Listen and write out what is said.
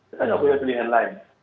kita nggak punya pilihan lain